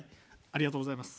ありがとうございます。